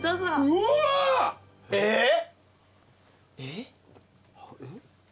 うわ！あっ？